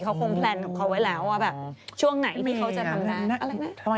เขาคงแพลนของเขาไว้แล้วว่าแบบช่วงไหนที่เขาจะทำงานอะไรนะ